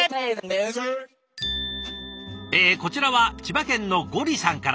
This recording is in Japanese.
えこちらは千葉県のＧＯＲＩさんから。